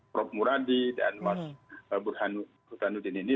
prof muradi dan mas burhanuddin ini